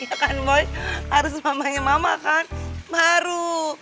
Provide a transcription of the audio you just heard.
iya kan boy harus mamanya mama kan baru